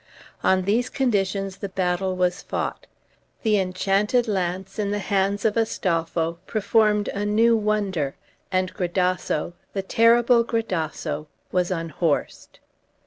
On these conditions the battle was fought. The enchanted lance, in the hands of Astolpho, performed a new wonder; and Gradasso, the terrible Gradasso, was unhorsed.